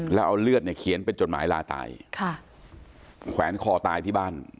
แล้วเอาเลือดเนี่ยเขียนเป็นจดหมายลาตายค่ะแขวนคอตายที่บ้าน